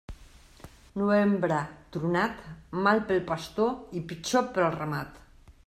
Novembre tronat, mal pel pastor i pitjor pel ramat.